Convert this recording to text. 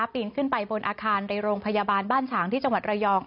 ปีนขึ้นไปบนอาคารในโรงพยาบาลบ้านฉางที่จังหวัดระยอง